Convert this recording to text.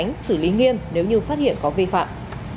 và phản ánh xử lý nghiêm nếu như phát hiện có vi phạm